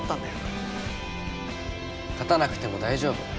勝たなくても大丈夫。